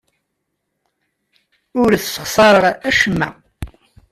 Ur ssexṣareɣ acemma.